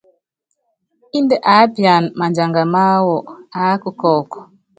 Índɛ aápiana madianga máwú aáka kɔ́ɔku.